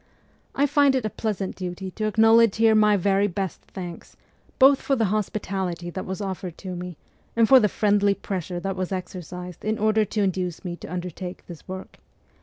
I feel it a pleasant duty to acknowledge here my very best thanks both for the hospitality that was offered to me, and for the friendly pressure that was exercised in order to induce me to undertake this work.